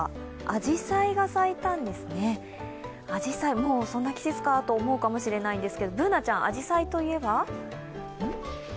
あじさい、もうそんな季節かと思うかもしれないんですけど、Ｂｏｏｎａちゃん、あじさいといえば？